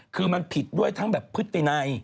คือมันผิดด้วยทั้งแบบพฤตินัย